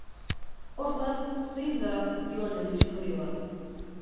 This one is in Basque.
Hortaz, zein da Joanen istorioa?